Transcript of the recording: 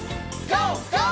ＧＯ！